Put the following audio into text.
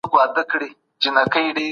د علم زده کړه پر هر مسلمان باندي فرض ده.